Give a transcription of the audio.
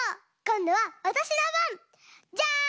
こんどはわたしのばん！